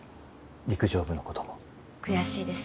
陸上部のことも悔しいです